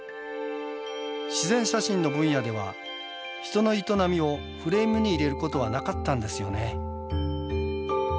自然写真の分野では人の営みをフレームに入れることはなかったんですよね。